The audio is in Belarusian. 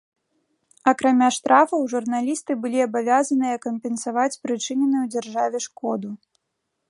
Акрамя штрафаў, журналісты былі абавязаныя кампенсаваць прычыненую дзяржаве шкоду.